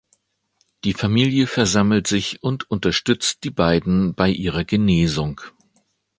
Die Familie versammelt sich und unterstützt die beiden bei ihrer Genesung.